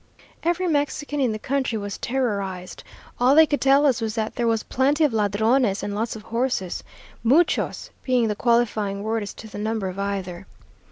Every Mexican in the country was terrorized. All they could tell us was that there was plenty of ladrones and lots of horses, 'muchos' being the qualifying word as to the number of either.